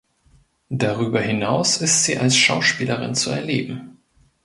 Darüber hinaus ist sie als Schauspielerin zu erleben.